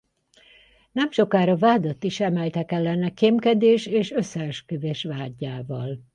Nemsokára vádat is emeltek ellene kémkedés és összeesküvés vádjával.